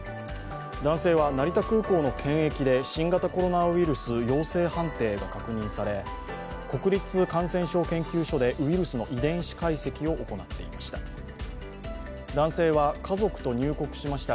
男性は成田空港の検疫で新型コロナウイルス陽性判定が確認され、国立感染症研究所でウイルスの遺伝子解析を行っていました。